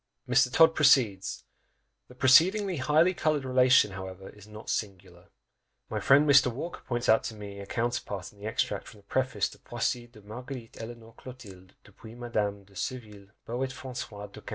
Mr. Todd proceeds, "The preceding highly coloured relation, however, is not singular; my friend, Mr. Walker, points out to me a counterpart in the extract from the preface to _Poésies de Marguerite Eleanore Clotilde, depuis Madame de Surville, Poète François du XV.